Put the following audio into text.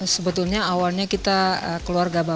sebetulnya awalnya kita keluarga bapak